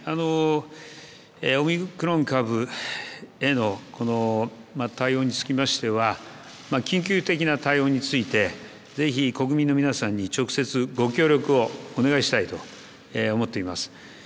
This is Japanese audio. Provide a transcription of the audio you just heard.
オミクロン株への対応につきましては緊急的な対応についてぜひ国民の皆さんに直接ご協力をお願いしたいと思っています。